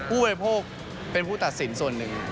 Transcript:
ผู้บริโภคเป็นผู้ตัดสินส่วนหนึ่ง